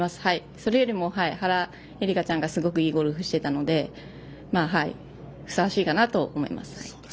それよりも、原英莉花ちゃんがすごくいいゴルフしていたのでふさわしいかなと思います。